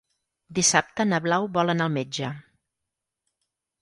Dissabte na Blau vol anar al metge.